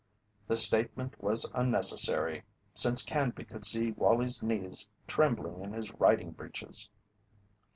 The statement was unnecessary, since Canby could see Wallie's knees trembling in his riding breeches.